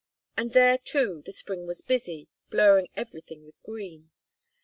And there, too, the spring was busy, blurring everything with green.